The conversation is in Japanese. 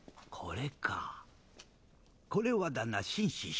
これかこれはだな紳士